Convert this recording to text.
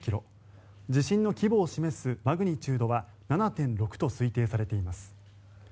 地震の規模を示すマグニチュードは７．６と推定されています。